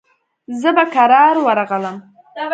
زه به کرار ورغلم.